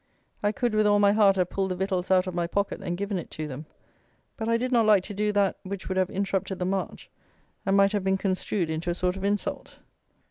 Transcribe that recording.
I could, with all my heart, have pulled the victuals out of my pocket and given it to them; but I did not like to do that which would have interrupted the march, and might have been construed into a sort of insult.